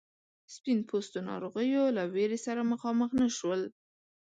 سپین پوستو ناروغیو له ویرې سره مخامخ نه شول.